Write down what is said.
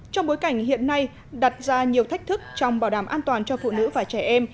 trong bối cảnh hiện nay đặt ra nhiều thách thức trong bảo đảm an toàn cho phụ nữ và trẻ em